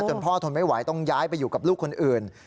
พ่อทนไม่ไหวต้องย้ายไปอยู่กับลูกคนอื่น